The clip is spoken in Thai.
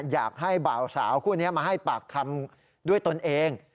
อยากให้บ่าวสาวคู่นี้มาให้ปากคำด้วยตนเอง